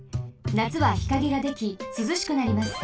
なつは日陰ができすずしくなります。